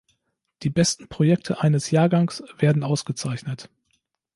Die besten Projekte eines Jahrgangs werden ausgezeichnet.